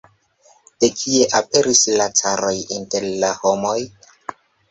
De kie aperis la caroj inter la homoj?